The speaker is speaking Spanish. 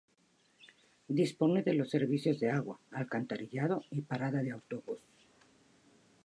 Dispone de los servicios de agua, alcantarillado y parada de autobús.